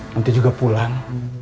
nanti juga pulang